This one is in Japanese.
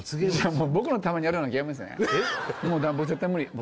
もう僕のためにやるようなゲームですね